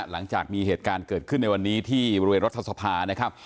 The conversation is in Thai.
หลังจากมีเหตุการณ์เกิดขึ้นในวันนี้ที่บริเวณรัฐสภานะครับ